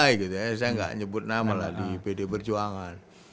y gitu ya saya gak nyebut nama lah di pdi perjuangan